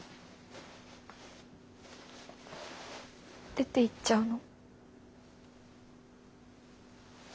出ていっちゃうの？